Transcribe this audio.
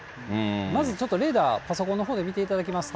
まずちょっとレーダー、パソコンのほうで見ていただきますと。